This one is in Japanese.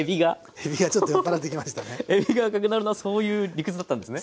えびが赤くなるのはそういう理屈だったんですね。